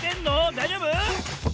だいじょうぶ？